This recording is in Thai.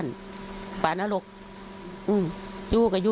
นางมอนก็บอกว่า